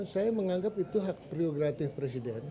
saya menganggap itu hak prioritatif presiden